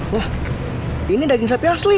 wah ini daging sapi asli